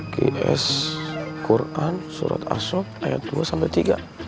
qs quran surat ashok ayat dua sampai tiga